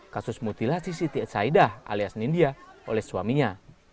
kasus mutilasi siti saedah alias nindya oleh suaminya